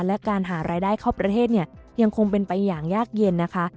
และการหารายได้เข้าประเทศเนี่ยยังคงเป็นไปอย่างยากเย็นนะคะ